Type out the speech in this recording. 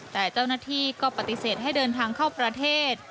แต่เจ้าหน้าที่ก็ปฏิเสธให้เดินทางเข้าประเทศ